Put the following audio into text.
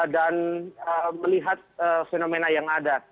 melihat fenomena yang ada